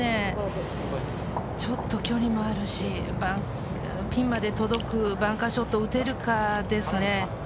ちょっと距離もあるし、ピンまで届くバンカーショットを打てるかどうかですね。